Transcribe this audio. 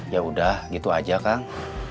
yaudah gitu aja kang